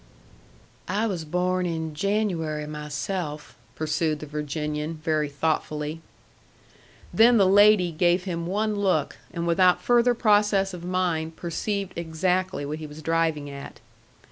"I was born in January myself," pursued the Virginian, very thoughtfully. Then the lady gave him one look, and without further process of mind perceived exactly what he was driving at.